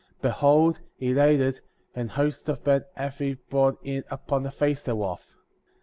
Behold, he laid it, an host of men hath he brought in upon the face thereof.